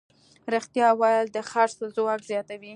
رښتیا ویل د خرڅ ځواک زیاتوي.